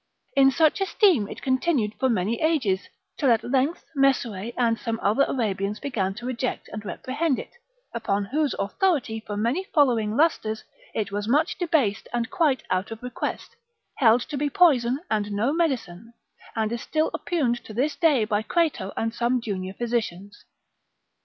In such esteem it continued for many ages, till at length Mesue and some other Arabians began to reject and reprehend it, upon whose authority for many following lustres, it was much debased and quite out of request, held to be poison and no medicine; and is still oppugned to this day by Crato and some junior physicians.